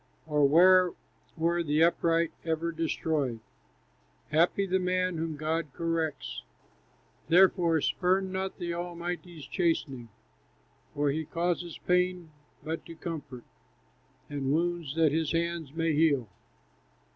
Or where were the upright ever destroyed? Happy the man whom God corrects; Therefore, spurn not the Almighty's chastening. For he causes pain but to comfort, And wounds, that his hands may heal."